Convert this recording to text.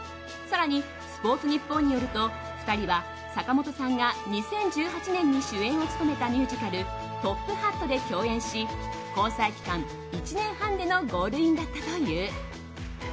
更に、スポーツニッポンによると２人は坂本さんが２０１８年に主演を務めたミュージカル「ＴＯＰＨＡＴ」で共演し交際期間１年半でのゴールインだったという。